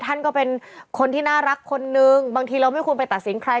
ท่านก็เป็นคนที่น่ารักคนนึงบางทีเราไม่ควรไปตัดสินใคร